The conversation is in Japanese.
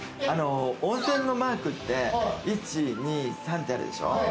温泉のマークって、１・２・３ってあるでしょ。